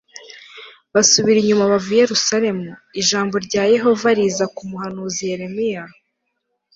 basubira inyuma bava i Yerusalemu v Ijambo rya Yehova riza ku muhanuzi Yeremiya